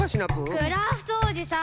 クラフトおじさん！